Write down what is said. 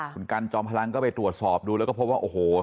คุณกันจอมพลังก็ไปตรวจสอบดูแล้วก็พบว่าโอ้โห